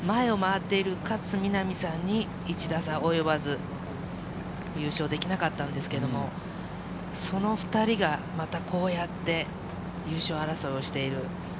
その時に前を回っている勝みなみさんに１打差及ばず、優勝できなかったんですけど、その２人がまたこうやって優勝争いをしている。